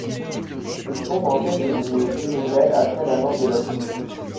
Ils sont en quête d'une vie nouvelle après la mort de leur fils.